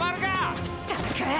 ったく。